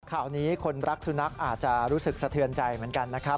ข่าวนี้คนรักสุนัขอาจจะรู้สึกสะเทือนใจเหมือนกันนะครับ